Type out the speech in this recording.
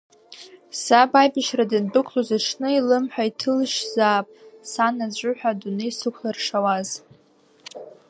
Саб аибашьра дандәықәлоз аҽны илымҳа иҭылшьзаап сан аӡәы ҳәа адунеи сықәлар шауаз.